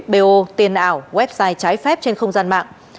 bo tiền ảo website trái phép trên không gian mạng